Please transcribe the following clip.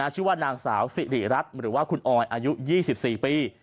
ชื่อว่านางสาวสิริรัตน์หรือว่าคุณออยอายุ๒๔ปี